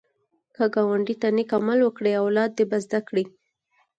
که ګاونډي ته نېک عمل وکړې، اولاد دې به زده کړي